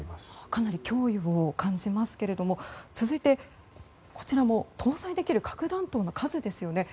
かなり脅威を感じますけど続いて、搭載できる核弾頭の数ですよね。